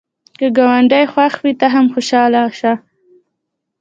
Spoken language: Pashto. که ګاونډی خوښ وي، ته هم خوشحاله شه